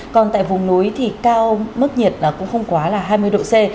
còn tại vùng núi thì cao mức nhiệt cũng không quá là hai mươi độ c